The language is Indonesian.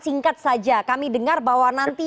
singkat saja kami dengar bahwa nanti